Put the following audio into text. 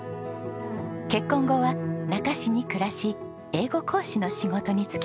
結婚後は那珂市に暮らし英語講師の仕事に就きました。